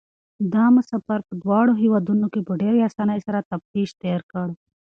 دا مسافر په دواړو هېوادونو کې په ډېرې اسانۍ سره تفتيش تېر کړ.